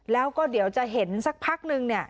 แล้วก็เดี๋ยวจะเห็นสักพักนึงเนี่ย